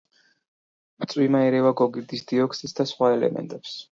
წვიმა ერევა გოგირდის დიოქსიდს და სხვა ელემენტებს.